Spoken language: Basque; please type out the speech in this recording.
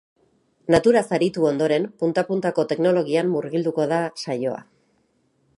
Naturaz aritu ondoren, punta puntako teknologian murgilduko da saioa.